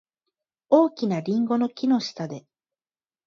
大きなリンゴの木の下で。